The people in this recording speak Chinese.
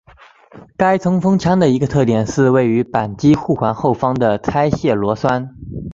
该冲锋枪的一个特点是位于扳机护环后方的拆卸螺栓。